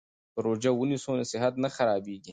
که روژه ونیسو نو صحت نه خرابیږي.